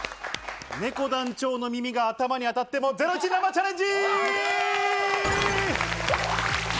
ねこ団長の耳が頭に当たっても、ゼロイチ生チャレンジ！